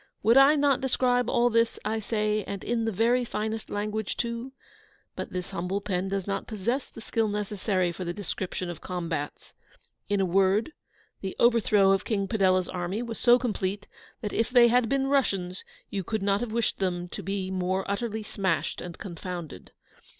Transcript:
Would I not describe all this, I say, and in the very finest language too? But this humble pen does not possess the skill necessary for the description of combats. In a word, the overthrow of King Padella's army was so complete, that if they had been Russians you could not have wished them to be more utterly smashed and confounded.